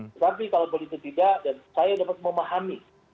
tetapi kalau begitu tidak dan saya dapat memahami